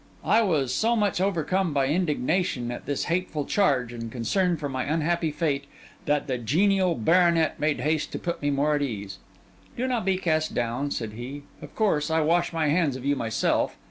I was so much overcome by indignation at this hateful charge and concern for my unhappy fate that the genial baronet made haste to put me more at ease. 'Do not be cast down,' said he. 'Of course, I wash my hands of you myself.